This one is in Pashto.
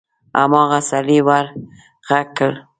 هماغه سړي ور غږ کړل: